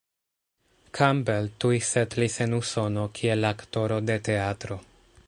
Campbell tuj setlis en Usono kiel aktoro de teatro.